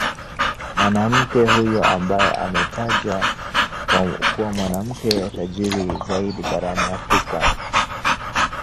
Mwanamke huyo ambaye ametajwa kuwa mwanamke tajiri zaidi barani Afrika